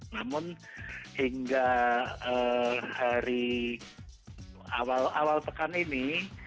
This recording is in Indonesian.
namun hingga hari awal awal pekan ini